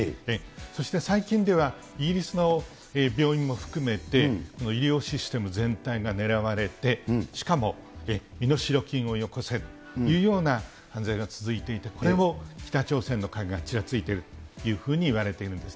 そして最近では、イギリスの病院も含めて、医療システム全体が狙われて、しかも身代金をよこせというような犯罪が続いていて、これも北朝鮮の影がちらついているというふうにいわれています。